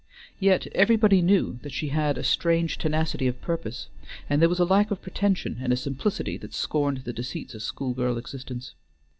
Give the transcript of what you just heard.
Yet everybody knew that she had a strange tenacity of purpose, and there was a lack of pretension, and a simplicity that scorned the deceits of school girl existence.